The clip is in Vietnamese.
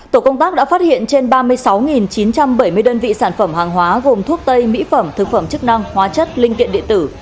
tổ công tác đã phát hiện trên ba mươi sáu chín trăm bảy mươi đơn vị sản phẩm hàng hóa gồm thuốc tây mỹ phẩm thực phẩm chức năng hóa chất linh kiện điện tử